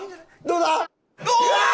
どうだ？